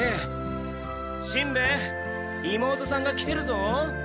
しんべヱ妹さんが来てるぞ。